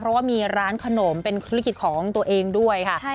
เพราะว่ามีร้านขนมเป็นธุรกิจของตัวเองด้วยค่ะ